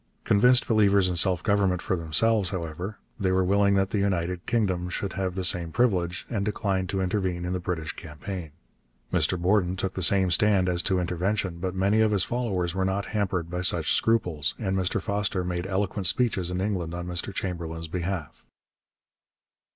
Convinced believers in self government for themselves, however, they were willing that the United Kingdom should have the same privilege, and declined to intervene in the British campaign. Mr Borden took the same stand as to intervention; but many of his followers were not hampered by such scruples, and Mr Foster made eloquent speeches in England on Mr Chamberlain's behalf.